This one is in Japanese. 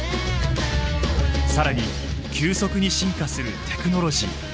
更に急速に進化するテクノロジー。